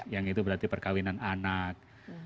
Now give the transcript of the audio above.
yang itu berarti perkawinan anak